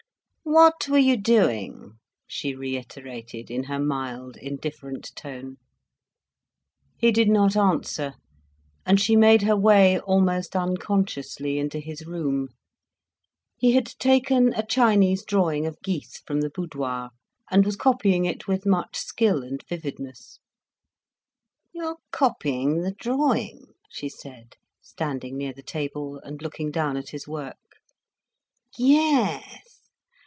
"What were you doing?" she reiterated, in her mild, indifferent tone. He did not answer, and she made her way, almost unconsciously into his room. He had taken a Chinese drawing of geese from the boudoir, and was copying it, with much skill and vividness. "You are copying the drawing," she said, standing near the table, and looking down at his work. "Yes.